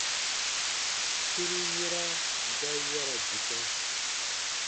Suru ye ga yara gisɔ.